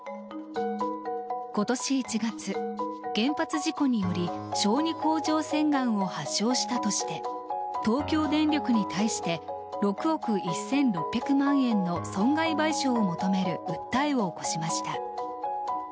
今年１月、原発事故により小児甲状腺がんを発症したとして東京電力に対して６億１６００万円の損害賠償を求める訴えを起こしました。